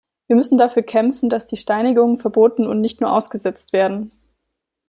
Wir müssen dafür kämpfen, dass die Steinigungen verboten und nicht nur ausgesetzt werden.